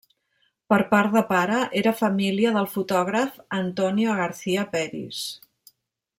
Per part de pare, era família del fotògraf Antonio Garcia Peris.